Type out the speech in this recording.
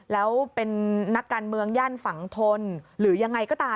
แล้วเป็นนักการเมืองย่านฝั่งทนหรือยังไงก็ตาม